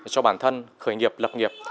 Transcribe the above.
cho bản thân khởi nghiệp lập nghiệp